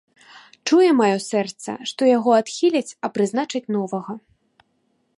Чуе маё сэрца, што яго адхіляць, а прызначаць новага.